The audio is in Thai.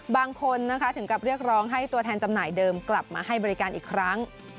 บางคนนะคะถึงกับเรียกร้องให้ตัวแทนจำหน่ายเดิมกลับมาให้บริการอีกครั้ง